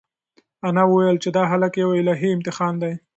انا وویل چې دا هلک یو الهي امتحان دی.